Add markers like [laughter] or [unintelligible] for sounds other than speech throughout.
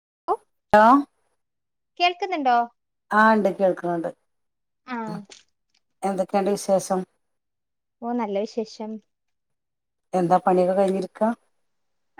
[unintelligible] കേൾക്ക്ന്നുണ്ടോ ആഹ് ണ്ട് കേൾക്ക്ണ്ണ്ട് ആഹ് ഉം എന്തൊക്കെണ്ട് വിശേഷം ഓഹ് നല്ല വിശേഷം എന്താ പണിയൊക്കെ കഴിഞ്ഞിരിക്കാ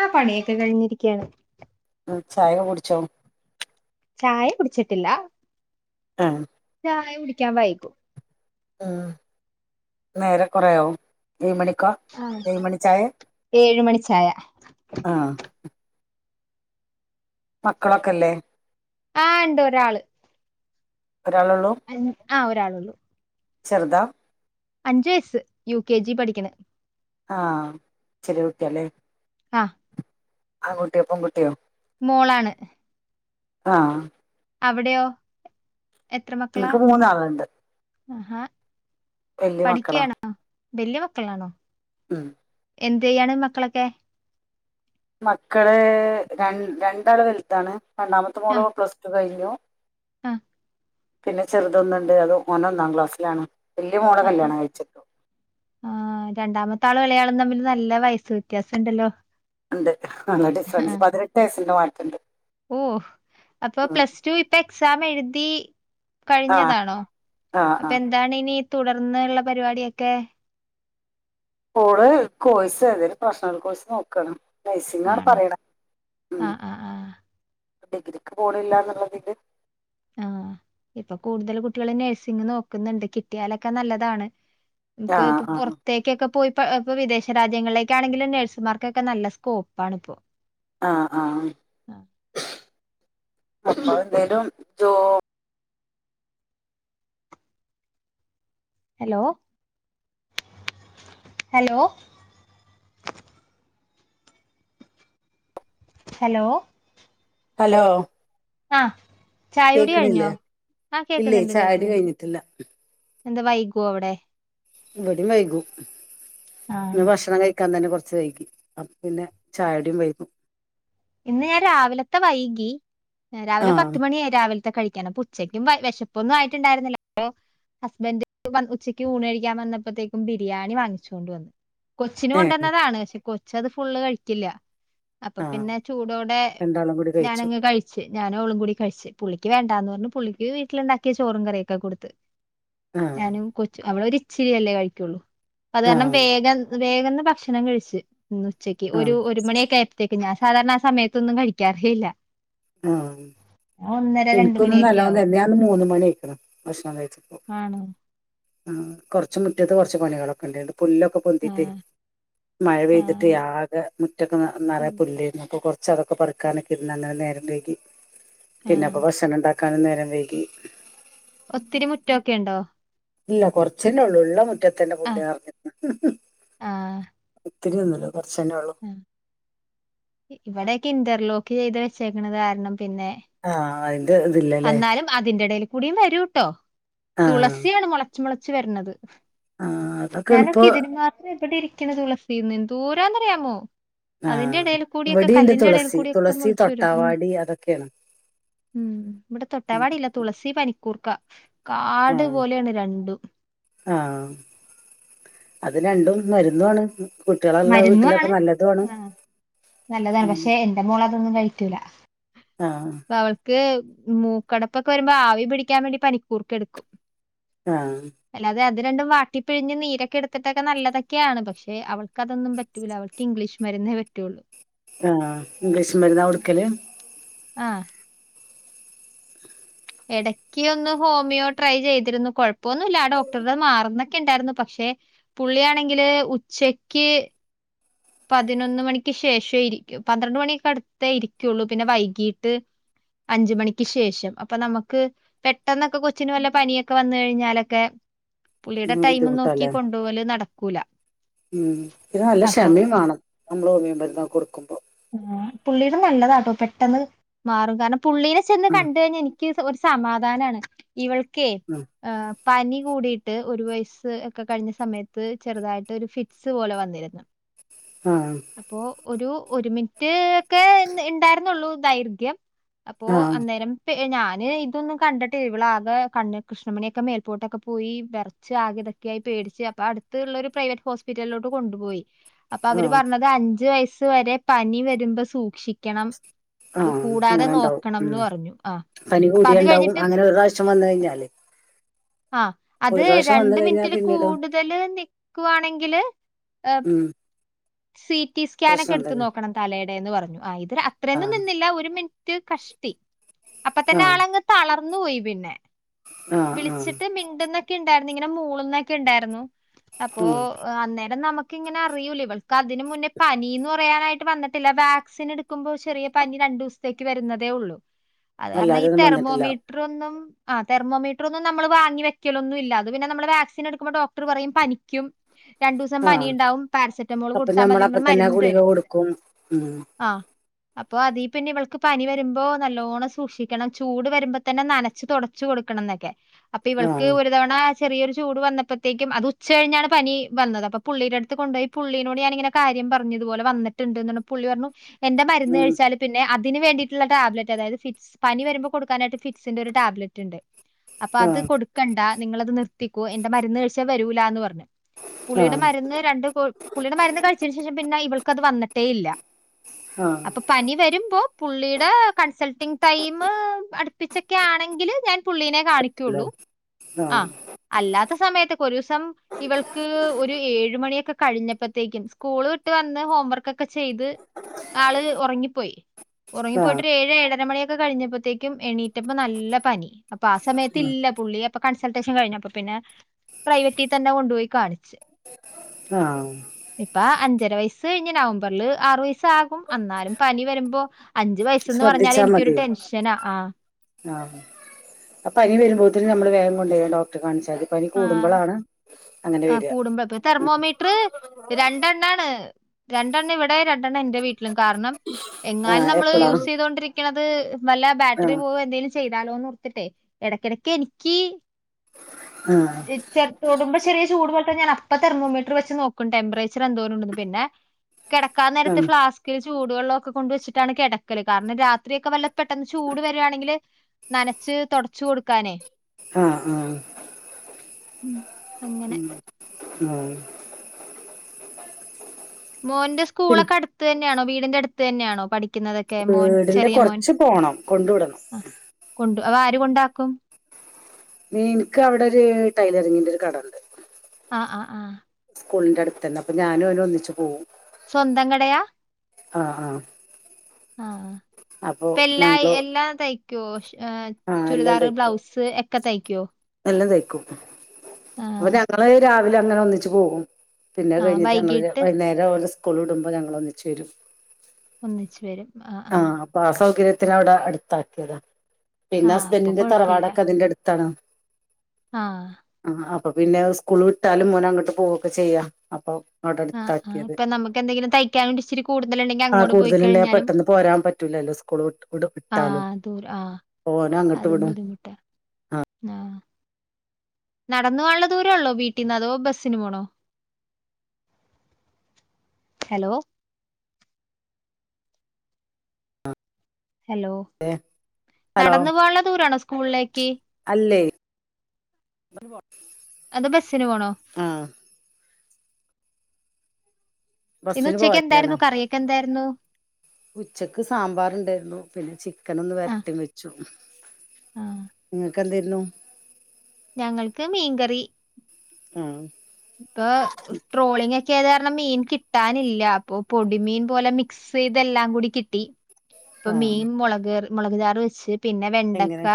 ആഹ് പണിയക്കെ കഴിഞ്ഞിരിക്കയാണ് ചായ കുടിച്ചോ ചായ കുടിച്ചിട്ടില്ല ആഹ് ചായ കുടിക്കാ വൈകും ഉം നേരെ കൊറേയാവും ഏഴ് മണിക്കോ ആഹ് ഏഴ് മണി ചായ ഏഴ് മണി ചായ ആഹ് - മക്കളൊക്കെല്ലേ? ആഹ് ഇണ്ട് ഒരാള്- ആഹ് ഒരാളെള്ളൂ- ച്ചെറ്താ- അഞ്ചു വയസ്സ് യു കെ ജി പഠിക്കണ്- ആഹ് ചെറിയ കുട്ടിയാല്ലേ? ആഹ് - ആകുട്ടിയൊ പെൺകുട്ടിയോ? മോളാണ്- ആഹ് - അവിടെയോ? എനിക്ക് മൂന്നാള്ണ്ട്- അഹാ - പഠിക്കയാണോ വലൃയ മക്കളാണോ? ഉം എന്തെയ്യാണ് മക്കളൊക്കെ മക്കള് ര രണ്ടാള് വലുതാണ് രണ്ടാമത്തെ മോള് പ്ലടു കഴിഞ്ഞു ഹോ [inaudible] ആഹ പിന്നെ ചെറുതൊന്നുണ്ട് അത് ഓന് ഓന്നാം ക്ലാസ്സിലാണ് വല്യ മോളെ ആ കല്യാണം കഴിച്ചിട്ടു ആ രണ്ടാമത്തെ ആള് വിളയാള തമ്മില് നല്ല വയസ്സ് വ്യത്യാസം ണ്ടല്ലോ ഉണ്ട് ആ ഡിഫറൻസ് പതിനെട്ട് വയസ്സിന്റെ മാ റ്റണ്ട് ഓ അപ്പൊ പ്ലസ് ടു ഇപ്പൊ എക്സാമ് എഴുതി ആ കഴിഞ്ഞതാണോ ആ ആ അപ്പൊ എന്താണ് ഇനി തുടർന്ന്ള്ള പരിപാടിയൊക്കെ ഓള് കോഴ്സ് ഏതേലും പ്രഫഷനൽ കോഴ്സ് നോക്കാണ് നൈസിങ്ങ ആണ് ആണോ പറയണ ഉ ആ ആ ആ ഡിഗ്രിക്ക് പോണില്ല എന്നുള്ളതില് ആഹ ഇപ്പൊ കൂടുതൽ കുട്ടികളും നഴ സിങ്ങ് നോക്കുന്നുണ്ട് കിട്ടിയാലൊക്കെ നല്ലതാണ് ആ നമുക്ക് ഇപ്പൊ ആ പുറത്തേക്കൊക്കെ പോയി ഇ ഇപ്പൊ വിദേശ രാജ്യങ്ങളിലേക്കാണെങ്കിലും നഴ്സുമാർക്കൊക്കെ നല്ല സ്കോപ്പ ആണ് ഇപ്പോ ആഹ ആഹ ആ. [inaudible] ലും ജോ ഹലോ ഹലോ ഹലോ ഹലോ ആഹ കേക്കണില്ലേ ഇല്ലേ ചായടി കേക്കുന്നുണ്ട് കഴിഞ്ഞിട്ടില്ല എന്താ വൈകുവ അവിടെ ഇവടീം വൈകും ആ ഇന്ന് ഭക്ഷണം കഴിക്കാൻ തന്നെ കൊറച്ച് [unintelligible] പിന്നെ ചായുടിയും വൈകും ഇന്ന് ഞാൻ രാവിലത്തെ വൈകി ആ രാവിലെ പത്ത് മണിയായി രാവിലത്തെ കഴിക്കും ഇങ്ങനപ്പൊ ഉച്ചക്കും വെശപ്പൊന്നും ആയിട്ടുണ്ടായിരുന്നില്ല അപ്പൊ ഹസ്ബൻഡ് ഉച്ചക്ക് ഊണ്കഴിക്കാൻ വന്നപ്പോത്തേക്കും ബിരിയാണി വാങ്ങിച്ചോണ്ട് വന്നു- കൊച്ചിന് ഏ കൊണ്ടേന്നതാണ്, - കൊച്ചത് ഫുള്ള് കഴിക്കില്ല- അപ്പം ആ പിന്നെ ചൂടോടെ രണ്ടാളും കൂടി കഴിച്ചു ഞാനങ്ങ് കഴിച്ചു ഞാൻ ഓളും കൂടി കഴിച്ച്പുള്ളിക്ക് വേണ്ടാന്ന് പറഞ്ഞഞ് പുള്ളിക്ക് വീട്ടിലിണ്ടാക്കിയ ചോറും കറിയൊക്കെ കൊടുത്ത് ആ ഞാനും കൊച്ചു അവിടെ ഒരു ഇച്ചിരിയല്ലേ കഴിക്കുള്ളൂ അത് ആ കാരണം വേഗം വേഗങ് ഭക്ഷണം കഴിച്ചു ഉച്ചയ്ക്ക് ആ ഒരു മണിയൊക്കെത്തേക്ക് പിന്നെ സാധാരണ ആ സമയത്തൊന്നും കഴിക്കാറല്ല ആഹ രണ്ട് എനിക്കൊന്നും മണിയൊക്കെ നല്ലോന്ന് ആവും ഞാനിന്ന് മൂന്ന് മണി ആക്കണം ഭക്ഷണം കഴിച്ചപ്പോ ആണോ ആ കൊറച്ച് മുറ്റത്ത് കുറച്ചു പണികളൊക്കെ ഉണ്ടണ്ട് പുല്ലൊക്കെ ആ പൊന്തിട്ട് മഴ ആ പെയ്തിട്ട് ആകെ മുറ്റക്കെ നിറയ പുല്ലായിരുന്നുക് ചതൊക്കെ പറിക്കാനൊക്കെ ഇന്ന നേരം രകി ആ പിന്നെപ്പൊ വസണണ്ട കുളിക്കാനുന്നേരം വൈകി ഒത്തിരി മുറ്റൊക്കെ ഉണ്ടോ ഇല്ല കുറച്ച തന്നെ ഉള്ളൂ ഉള മുറ്റത്തിന്റെ ആ പുുള പറഞ്ഞിന്ന് ആ തിരിന്നല്ലോ ആ ഇവിടെ ഇന്റർലോക്ക് ചെയ്ത് വെച്ചേക്കുന്നത് കാരണം പിന്നെ ആഹ ആയി എന്നാലും അതിന്റെ ഇടയിൽ കൂടിയും വരൂട്ടോ ആഹ് തുളസിയാണ് മുള പച്ച മുളച്ച് വരണത് ആഹ് അതൊക്കെ ഞാനൊക്കെ എളുപ്പം ഇതിന് മാത്രം എവിടെ ഇരിക്കണ തുളസി ചെയ്യുന്നുണ്ട് ദൂരാന്ന്റിയാമോ അതിന്റെ ആഹ് ഇടൽ കൂടിയൊക്കെ ഇവിടിണ്ട് കല്ലിന്റെ ഇടയിൽ തുളസി കൂടി ഒക്കെ തുളസി മുളിച്ചു വരും ഉം തൊട്ടാവാടി അതൊക്കെയാണ് ഉം ഇവിടെ ഉം തൊട്ടവാടില്ല തുളസി പനിക്കൂർക്ക കാട് ആഹ് പോലെയാണ് രണ്ടും ആഹ് അത് രണ്ടും മരുന്നുന്നാണ് മരുന്നാ ണ് ആ നല്ലതാണ് ഉം പക്ഷെ എന്റെ മോള്അതൊന്നും കഴിക്കൂല ആ അപ്പ അവൾക്ക് മൂക്കടപ്പൊക്കെ വരുമ്പോ ആവി പിടിക്കാൻ വേണ്ടി പനിക്കൂർക്ക് എടുക്കും ആഹ ഇത് രണ്ടും വാട്ടിപ്പിഴഞ്ഞ് നീരൊക്കെ എടുത്തിട്ടൊക്കെ നല്ലതൊക്കെയാണ് പക്ഷേ അവൾ ക്കതൊന്നും പറ്റൂല്ല. അവൾക്ക് ഇംഗ്ലീഷ് മരുന്നേ പറ്റുള്ളൂ. ആ ഇംഗീഷ് മരുന്നാ ഒടുക്കല് ആ ഇടക്ക് ഒന്ന് ഹോമിയോ ട്രൈ ചെയ്തിരുന്നു കൊഴ പ്പൊന്നുല്ല ആ ഡോക്ടറ മാറുന്ന ണ്ടാരുന്നു പക്ഷെ പുള്ളിയാണെങ്കില് ഉച്ചക്ക് പതിനൊന്ന് മണിക്ക് ശേഷംേ ഇരിക്കും പന്ത്രണ്ട് മണിയൊക്കെ അടുത്തേ ഇരിക്കുള്ളൂ പിന്നെ വൈകീട്ട് അഞ്ച മണിക്ക് ശേഷം അപ്പൊ നമുക്ക് പെട്ടെന്നൊക്കെ കൊച്ചിിനു വല്ല പനിയൊക്കെ വന്ന കഴിഞ്ഞാലൊക്കെ പുുള്ളിയുടെ ഉം ടൈം നോക്കി ബുദ്ധിമുട്ടാല്ലേ കൊണ്ടോല് നടക്കൂല ഉം ഇത് നല്ല അപ്പോ ക്ഷമയും വേണം നമ്മള് ഓമ്യ മ രുന്ന കൊടു കുമ്പോ ആ പുള്ളീടെ നല്ലതാട്ടോ പെട്ടെന്ന് മാറും കാണം പുള്ളീെ ചെന്ന് ആ കണ്ട കഴിഞ്ഞാ എനിക്ക് ഒരു സമാധാനണ് ഇവൾക്കെ ആ ആഹ് പനി കൂടിട്ട് ഒരു വയസ്സ് ഒക്കെ കഴിഞ്ഞ സമയത്ത് ചെറുതായിട്ട് ഒരു ഫിറ്റ്സ് പോലെ വന്നിരുന്നു ആ അപ്പോ ഒരു ഒരു മിറ്റ് ഒക്കെ ഉണ്ടായിരുന്നുള്ളൂ ദൈർഘ്യം അപ്പോൊ ആ അന്നേരം ഞാന് ഇതൊന്നും കണ്ടിട്ടി ഇവളാകെ കണ് കൃഷ്ണമണിയൊക്കെ മേൽപോട്ടൊക്കെ പോയി വെറച്ച് ആകെ ഇതാക്കെയായി പേടിച്ച് അപ്പാ അടുത്ത്‌ ള്ളോരു പ്രൈവറ്റ് ഹോസ്പിറ്റലോട്ട് കൊണ്ടുപോയി അപ്പൊ ആ അവര് പറഞ്ഞത് അഞ്ച് വയസ്സ് വരെ പനി വരുമ്പോ സൂക്ഷിക്ക ആഹ് അങ്ങനെ ണ്ടാവും ഉം നോക്കണംന്ന് പറഞ്ഞു. ആഹ് പനി അപ്പൊ കൂടിയ അത് ണ്ടാവും കഴിഞ്ഞിട്ട് അങ്ങനെ ഒരു പ്രാശം വന്ന കഴിഞ്ഞാല് ആ അത് ഒരു പ്രാവശ്യം വന്നു രണ്ട് കഴിഞ്ഞാൽ മിനിറ്റില് പിന്നീട് കൂടുതല് നിക്കുകവാണെങ്കില് ഏ ഉം സി റ്റി സ്ക്കാനോക്കെ പ്രശ്നം എടുത്ത്‌ തന്നെ നോക്കണം തലെടെ ന്ന് പറഞ്ഞു ആ ഇതി ആ അത്രേന്നും നിന്നില്ല ഒരു മിനി റ്റ് കഷ്ടി അപ്പൊ ആ തന്നെ ആളങ്ങ് തള ന്നു പോയി പിന്നെ ആ ആ വിളിച്ചിട്ട് മിണ്ടുന്ന ക്കെ ഇണ്ടായിരുന്നു ഇങ്ങനെ മൂളാന്നെക്കെ ഇണ്ടായിരുന്നു- അപ്പോ ഉം അന്നേരം നമുക്ക് ഇങ്ങനെ അറിയൂല്ല ഇവൾക്ക് അതിന് മുന്നേ പനിന്ന് പറയാനായിട്ട് വന്നിട്ടില്ല വാക്സിൻ എടുക്കുമോ ചെറിയ പനി രണ്ടു ദിവസത്തേക്ക് വരുന്നതേ ഉള്ളു അത് കാരണം ഈ അല്ലാതെയൊന്നും വന്നിട്ടില്ല തെർമോമീറ്റർ ഒന്നും ആ തെർമോമീ റ്റ്റൊന്നും നമ്മള് വാങ്ങി വെക്കലൊന്നും ഇല്ലാ അത് പിന്നെ നമ്മള് വാക്സിൻ എടുക്കുമ്പം ഡോക്ടർ പറയും പനിക്കും- രണ്ടു ദിവസം ആ പനി ഉണ്ടാവും പാരസെറ്റമോൾ അപ്പൊ കൊടുത്താ മതി ഞമ്മളപ്പ നമ്മൾ തന്നെ മരുന്ന് ഗുളിക തരും കൊടുക്കും ഉം ആ അപ്പൊ അതീ പിന്നെ ഇവൾക്ക് പനി വരുമ്പോ നല്ലോണം സൂക്ഷിക്കണം ചൂട് വരുമ്പോ തന്നെ നനച്ചു തുടച്ചുകൊടുക്കണനെ കൊടുക്കണംന്നൊക്കെ അപ്പൊ ആ ഇവൾക്ക് ഒരു തവണ ചെറിയൊരു ചൂട് വന്നപ്പോഴത്തേക്കും അത് ഉച്ച കഴിഞ്ഞാണ് പനി വന്നത് അപ്പൊ പുള്ളിയുടെ അടുത്ത് കൊണ്ടുപോയി പുള്ളിനോട് ഞാനിങ്ങനെ കാര്യ പറഞ്ഞതുപലെ വന്നിട്ടുണ്ട് എന്ന പുള്ളി പറഞ്ഞു എന്റെ മരുന്ന് ഉം കഴിച്ചാല് പിന്നെ ഇതിന് വേണ്ടിയിട്ടുള്ള ടാബ്ലറ്റ് അതായത് ഫിറ്റ്സ് പനി വരുമ്പോൾ കൊടുക്കാനായിട്ട് ഫിറ്റ്സിന്റെ ഒരു ടാബ്ലറ്റ് ഉണ്ട് അപ്പൊ അത് ആഹ് കൊടുക്കണ്ട നിങ്ങത് നിർത്തിക്കൂ എന്റെ മരുന്ന് കഴിച്ച വരൂലന്ന് പറഞ്ഞഞ് പുള്ളിയുടെ ആഹ് മരുന്ന് രണ്ട് തു പുള്ളിയുടെ മരുന്ന് കഴിച്ചേന് ശേഷം പിന്നെ ഇവൾ ക്കത് വന്നിട്ടേ ഇല്ല ആഹ് അപ്പൊ പനി വരും പുള്ളിയുടെ കൺസൾട്ടിങ് ടൈം അടുപ്പിച്ചൊക്കെ ആണെങ്കിൽ പുള്ളീനെ ല്ല കാണിക്കുള്ളൂ. ആ ആഹ് അല്ലാത്ത സമയത്ത് ഒരു ദിവസം ഇവൾക്ക് ഒരു ഏഴ മണിയൊക്കെ കഴിഞ്ഞപ്പോത്തേക്കും സ്കൂള് വിട്ട് വന്ന് ഹോം വർക്കൊക്കെ ചെയ്ത് ആള് ഉറങ്ങിപ്പോയി ആഹ് ഉറങ്ങിപ്പോയിട്ട് ഏഴ ഏഴര മണിയക്കെ കഴിഞ്ഞപ്പോഴത്തേക്കും എണീറ്റപ്പോ നല്ല പനി അപ്പൊ ആ സമയത്ത് ല്ല പുള്ളി അ വെക്കേഷൻ കഴിഞ്ഞപ്പ പിന്നെ പ്രൈവറ്റി തന്നെ കൊണ്ടുപോയി കാണിച്ച്. ആഹ ചര വയസ്സ് കഴിഞ്ഞ നവംബറില് ആറു വയസ ആകും എന്നാലും പനി വരുമ്പോ അഞ്ചു വയസന്ന് പറഞ്ഞാല് ശ്രദ്ധിച്ചാ എനിക്കൊരു മതി ടെൻഷനാ ആ കുട്ടിയെ നമ്മള് വേഗം കൊണ്ടുപോയി ഡോക്റെ കാണിച്ചു ആ ആ വരാ കൂടുമ്പോപ്പ തെർമോമീറ്റർ രണ്ടെണ്ണാണ് രണ്ടെണ്ണ ഇവിടെ ര എന്റെ വീ കാരണം എങ്ങാനും ആഹ് നമ്മൾ എപ്പളാ യൂസ് ചെയ്തണ്ടിരി ിക്കണത് മല്ല ബാറ്ററി ആഹ് പോ എന്തെലും ചെയ്യും ാലോന്ന്ഓർത്തിട്ടെ ഇടക്കിടക്ക് എനിക്ക് ആഹ് [unintelligible] തൊടുമ്പോ ചെറിയ ചൂട് പോൽ ത്തെ ഞാൻ അപ്പോ തെർമോമീറ്റർ വെച്ച് നോക്കും ടെമ്പറേച്ചർ എന്തോരണ്ട്ന്ന് പിന്നെ കെടക്കാൻ നേരത്ത് ആഹ് ഫ്ലാസ്ക് ല് ചു ചൂടു വെള്ളൊക്കെ കൊണ്ട് വെച്ചിട്ടാണ് കിടക്കല് കാരണം രാത്രിയൊക്കെ വല്ല പെട്ടെന്ന് ചൂട് വരാണെങ്കില് നനച്ച് തുടച്ചു കൊടുക്കാനേ ആ ആ ഉം അങ്ങനെ ആ മോന്റെ പിന്നെ സ്കൂളൊക്കെ അടുത്ത് ത ന്നെ ആണോ വീടിന്റെ അടുത്ത് തന്നാണോ പഠി വീടിന്റെ കൊറച്ച് പോണം കൊണ്ട് വിടണം അപ്പ ആര് കൊണ്ടാക്കും ഇൻക്ക് അവിടെ ഒരു ടൈലറിങ്ങിന്റെ ഒരു കടണ്ട് ആ ആ ആ സ്കൂളിന്റെ അടുത്തന്നെ അപ്പൊ ഞാനും അവനും ഒന്നിച്ചു പോവും സ്വന്തം കടയാ ആ ആ ആ ഇപ്പ എല്ലാ ഞങ്ങള് എല്ലാം തയ് ക്കുവോ ഷ് ആഹ് എല്ലാം ചുരിദാർ തയ്ക്കും ബ്ലൗസ് എക്കെ തയ്ക്കോ ക്കും അപ്പൊ ഞങ്ങള് രാ വിലങ്ങനെ ഒന്നിച്ച് പോകും പിന്നെ അത് ആ കഴിഞ്ഞിട്ട് ഞങ്ങള് വൈകീട്ട് വൈകുന്നേരം ഓലെ സ് കൂൾ വിടുമ്പം ഞങ്ങൾ ഒന്നിച്ച് വിരും ഒന്നിച്ചു വരും ആ ആ കര്യത്തിന് അവിടെ അടുത്താക്കിയതാ പിന്നെ ആ ഹസ്ബൻഡിന്റെ തറവാടൊക്കെ അതിൻ്റെ അടുത്താണ് ആഹ് പ്പൊ പിന്നെ സ്കൂള് വിട്ടാലും മോനങ്ങട്ട് പോവൊക്കെ ചെയ്യാ അപ്പൊ അവിടെ ആഹ് ആ അടുത്താക്കിയത് ഇപ്പൊ നമുക്ക് എന്തെങ്കിലും തയ്ക്കാനും ഇച്ചിരി കൂടുതല് ഇണ്ടെങ്കിൽ ആ അങ്ങോട്ട് കൂടുതലുണ്ടെ പോയിക്കഴിഞ്ഞാലും പെട്ടെന്ന് പോരാൻ പറ്റൂലല്ലോ സ്കൂൾ വിട്ട് വിട് വിട്ടാലും ആഹ് ദൂര ആഹ് ഓനെ അങ്ങട്ട് അതും വിടും ബുദ്ധിമുട്ട ആ ആഹ് നടന്നു പോവാള്ള ദൂരംള്ളോ വീട്ടിന്ന് അതോ ബസിനു പോണോ ഹലോ ഹലോ അതെ ഹലോ നടന്നു പോവാൻള്ള ദൂരാണോ സ് സ്കൂളിലേക്ക് ഇല്ലേ അത ബസിന് പോണോ? ഇന്ന് ബസ്സിന് ഉച്ചക്ക് പോവലാണോ എന്തായിരുന്നു. കറിയൊക്കെ എന്തായിരുന്നു. ഉച്ചക്ക് സാമ്പാർ ഉണ്ടായിരുന്നു പിന്നെ ചി ക്കനൊന്ന് ആഹ് വരണ്ടി വെച്ചു. ആഹ് നിങ്ങക് എന്തെര്ന്നു? ഞങ്ങൾക്ക് മീൻകറി. ആഹ്. പ്പൊ ട്രോളിംഗ് ക്കെ യതാ മീൻ കിട്ടാനില്ല. അപ്പൊ പൊടിമീൻ പോലെ മിക്സ് ചെയ്തെല്ലാം കൂടി കിട്ടി. ഇപ്പൊ ആഹ് മീൻ മുളക് കറി മുളക് ചാറ് വെച്ച് പിന്നെ വെണ്ടക്ക എങ്ങനെ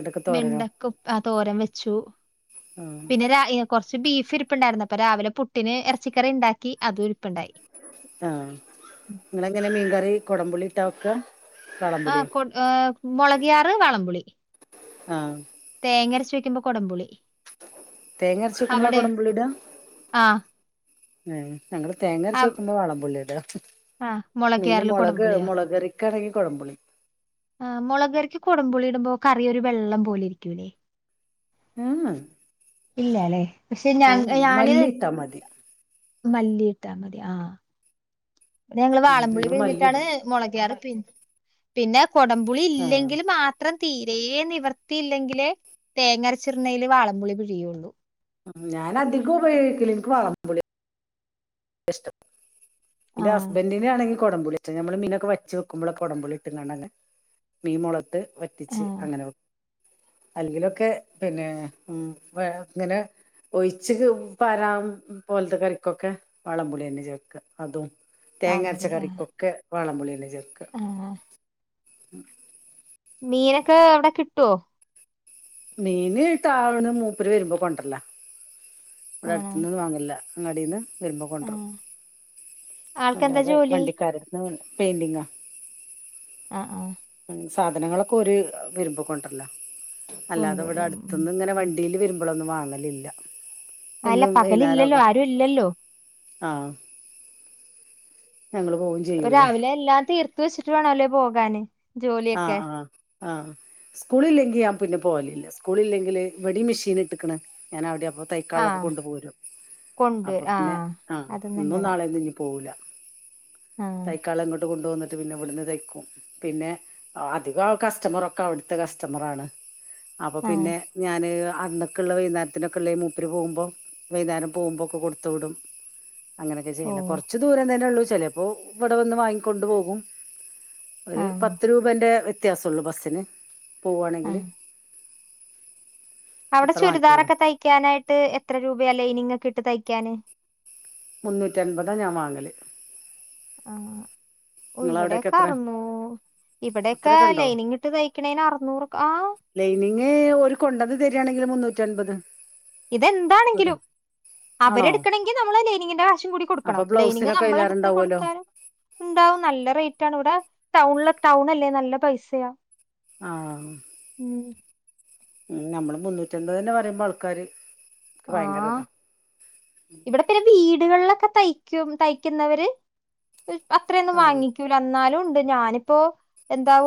എടക്ക് തോരനോ വെണ്ടക്ക ഉ തോരം വെച്ചു. ആഹ് പിന്നെ രാ [unintelligible] കൊർ പക്ഷെ ബീഫ് ഇരുപ്പുണ്ടായിരുന്നു അപ്പൊ രാവിലെ പുട്ടിന് എറച്ചിക്കറി ഇണ്ടാക്കി അതും രു ആ നിങ്ങളെങ്ങനെ മീൻക റി കുടംമ്പുള്ളിട്ടാ വെക്കാ ആ വാളംപുളിയോ കൊ മൊളകിയാറ് വാളംമ്പുളി. ആ തേങ്ങരച്ച് വക്കുമ്പോ കൊടുമ്പുളി തേങ്ങര ച്ച്ക്കുമ്പളാ കൊടുമ്പുള്ളിടാ? ആഹ് [unintelligible] ഞങ്ങള് തേങ്ങരച്ച്‌ വെക്കുമ്പോ വാളംപുളിയാടാ ആ മുളക് യാറിൽ കൊടുപുളിയാ മൊളകറിക്കാണെങ്കി കൊടംപുളി ആ മൊളകറിക്ക് കൊടംപുളി ടുമ്പോ കറിയൊരു വെള്ളം പോലെ ഇരിക്കൂലെ ഏഹ് ഇല്ലല്ലേ പക്ഷെ ഞ ഉം ഞാന് മല്ലി ഇട്ടാ മതി മല്ലിയിട്ടാ മതി. ആഹ്. ഞങ്ങള് ആഹ് വാളംപുളി ഞങ്ങള് മല്ലി പിഴിഞ്ഞിട്ടാണ് ഇടും മുളകയാറ് പി പിന്നെ കൊടംപുളി ആഹ് ഇല്ലെങ്കില് മാത്രം തീരേ നിവർത്തിയില്ലങ്കിലേ തേങ്ങര ച്ച് ട്ണെല് വാളംപുളി പിഴിയുള്ളു. ഞാനധികം ഉപയോക്കല് ന്ക്ക് വാളംമ്പു ളിയാ ഇഷ്ടം എന്റെ ആഹ് ഹസ്ബൻ്റിനാണെങ്കി കൊടംപൊളി നമ്മൾ മീനൊക്കെ വറ്റിച്ച് വെക്കുമ്പോള് കൊടമ്പുളി ഇട്ട്ങ്ങാട്ടെന്നെ മീൻ മൊളക് ട്ട് വറ്റിച്ച് ആഹ് അങ്ങനെ വെ അല്ലെങ്കിലൊക്കെ പിന്നെ ഉം ഇങ്ങനെ ഒഴിച്ച് പരാൻ പോലത്തെ കറിക്കൊക്കെ വാളംമ്പുളിയന്നെ ചേർക്ക അതും തേങ്ങ അരച്ച വാളംപുളി ആഹ് കറിക്കൊക്കെ വളം പുളിന്നെ ചേർ ആഹ് ഉം മീനൊക്കെ അവിടെ കിട്ടുവോ മീൻ ഇട്ട് ആന്ന് മൂപ്പര് വരുമ്പോ കൊണ്ട രല്ല ഇവിടെ ആണോ അടുത്ത്ന്നൊന്നും വാങ്ങെല്ല അങ്ങാടിന്ന് വരുമ്പ കൊണ്ടരൂം ആഹ് ആൾക്കെന്താ അല്ലാതെ ജോലി വണ്ടിക്കാരുന്നല്ല പെയിൻ്റിങ്ങാ ആ ആ സാധനങ്ങളൊക്കെ ഓര് വരുമ്പോ കൊണ്ടെര്ലാ അല്ലാതെ ഇവിടെ കൊണ്ടുവരും ഉം അടുത്ത്ന്ന് ഇങ്ങനെ വണ്ടി ഇതിലെ വരുമ്പോഴൊന്നും വാങ്ങലില്ല അല്ല എന്നും പകല് ഇല്ലല്ലോ വൈന്നേരൊക്കെ ആരും ഇല്ലല്ലോ ആഹ് ഞങ്ങള് പോവും ചെയ്യൂലേ രാവിലെ എല്ലാം തീർ ത്തു വെച്ചിട്ട് വേണലേ പോകാന് ജോലിയൊക്കെ ആ സ്കൂള് ഇല്ലെങ്കിൽ ഞാൻ പിന്നെ പോവലില്ല സ്കൂള് ഇില്ലെങ്കില് വെടി മെഷീൻ ഇട്ട്ക്ക്ണ് ഞാൻ അവിടെ അപ്പൊ തൈക്കാളൊക്കെ ആഹ് കൊണ്ടു പോരും അപ്പൊ കൊണ്ടുവരും പിന്നെ ആഹ് ആ അത് ഇന്നും നല്ലതാ നാളെ ഇഞ്ഞ് പൊവൂല ആഹ് തൈക്കാളെള ഇങ്ങോട്ട് കൊണ്ട് പോന്നി അത് പിന്നെ ഇവിടുന്ന് തയ്ക്കും പിന്നെ അധികം ആ കസ്റ്റമറൊക്കെ അവിടുത്തെ കസ്റ്റമർ ആണ് അപ്പൊ ആഹ് പിന്നെ ഞാന് അന്നൊക്ക് ഇള്ളെ വൈകുന്നേരത്തിനൊക്കെ ഉള്ള ഈ മൂപ്പരി പോകുമ്പോൾ വൈന്നാരം പോകുമ്പോളൊക്കെ കൊടുത്തുവിടും അങ്ങനെയൊക്കെ ചെയ്യില ഓഹ് കൊറച്ച് ദൂരം തന്നെ ഉള്ളു ശ ചെലപ്പോ ഇവിടെ വന്ന് വാങ്ങിക്കൊണ്ട് പോകും ആഹ് ൻ്റെ വ്യത്യാസമുള്ളൂ ബസിന് പോവാണെങ്കിൽ ആഹ് അവിടെ ചുരിദാറൊക്കെ തയ്ക്കാനായിട്ട് എത്ര രൂപയല്ലേ ഇനിങ്ങ കിട്ട് തയ്ക്കാന് മുന്നൂറ്റി അന്പതാണ് ഞാാന് വാങ്ങല് ഓ നിങ്ങളവിടെക്കെ ഇവിടെൊക്കെ എത്ര അറുന്നു ഇവിടെൊക്കെ അത്രൊക്കെ ഉണ്ടോ ലൈനിങ്ങ ഇട്ട് തയ്ക്കണേന് അറുന്നൂറ് ആ റ്റൻപത് ഇതെന്താണെങ്കിലും ആണോ അവരെടുക്കണമെങ്കിൽ നമ്മള് ലൈനിങ്ങിന്റെ കാവശ്യം കൂടി അപ്പൊ കൊടുക്കണം ലൈനിങ് ബ്ലൗസിനൊക്കെ നമ്മള എടുത്ത് അയിലേറെണ്ടാവല്ലോ കൊടുത്താലും ഉണ്ടാവും നല്ല ററ്റ ഇവിടെ ടൗണ ടൗൺ അല്ലേ നല്ല പൈസയാ ആഹ ഉം ഉ നമ്മള് മുന്നൂറ്റിൻപത് തന്നെ പറയുമ്പോ ആൾക്കാര് ആഹ ഭയങ്കര ഇതാ ഇവിടെ പിന്നെ വീടുകളിലൊക്കെ തയ്ക്കും തയ്ക്കുന്നവര് അത്രയൊന്നും ആഹ് വാങ്ങിക്കൂല എന്നാലും ഉണ്ട് ഞാനിപ്പോ എന്ത